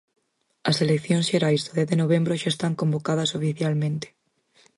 As eleccións xerais do dez de novembro xa están convocadas oficialmente.